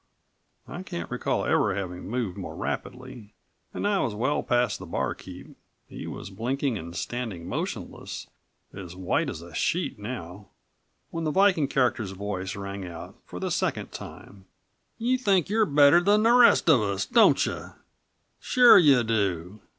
I can't recall ever having moved more rapidly, and I was well past the barkeep he was blinking and standing motionless, as white as a sheet now when the Viking character's voice rang out for the second time. "You think you're better than the rest of us, don't you? Sure you do.